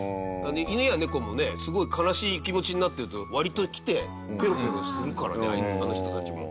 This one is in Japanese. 犬や猫もね、すごい悲しい気持ちになってると割と来て、ペロペロするからねあの人たちも。